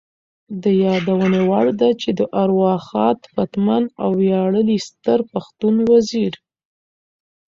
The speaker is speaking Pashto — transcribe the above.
د یادونې وړ ده چې د ارواښاد پتمن او ویاړلي ستر پښتون وزیر